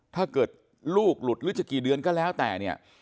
ถ้าเกิดลูกหลุดหรือจะกี่เดือนก็แล้วแต่เนี่ย